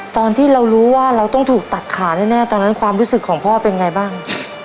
ตอนที่เรารู้ว่าเราต้องถูกตัดขาแน่ตอนนั้นความรู้สึกของพ่อเป็นไงบ้าง